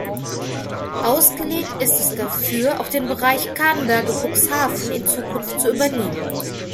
Ausgelegt ist es dafür auch den Bereich Cadenberge–Cuxhaven in Zukunft zu übernehmen.